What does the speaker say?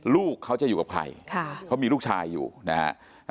ลูกเขาจะอยู่กับใครเขามีลูกชายอยู่นะฮะ